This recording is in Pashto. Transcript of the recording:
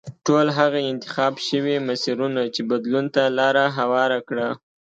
ټول هغه انتخاب شوي مسیرونه چې بدلون ته لار هواره کړه.